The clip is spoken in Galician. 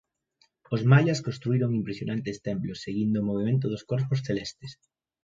Os maias construíron impresionantes templos seguindo o movemento dos corpos celestes.